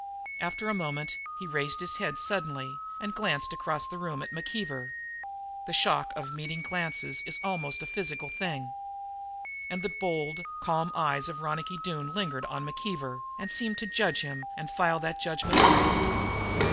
After a moment he raised his head suddenly and glanced across the room at McKeever. The shock of meeting glances is almost a physical thing. And the bold, calm eyes of Ronicky Doone lingered on McKeever and seemed to judge him and file that judgment away.